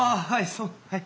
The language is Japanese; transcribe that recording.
そうはい。